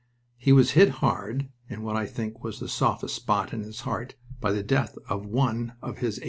He was hit hard in what I think was the softest spot in his heart by the death of one of his A.